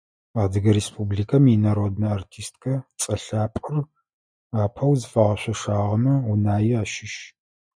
Адыгэ Республикэм инароднэ артисткэ цӀэ лъапӀэр апэу зыфагъэшъошагъэмэ Унае ащыщ.